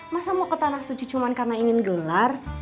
masa mau ke tanah suci cuma karena ingin gelar